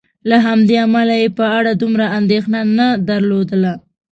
له همدې امله یې په اړه دومره اندېښنه نه درلودله.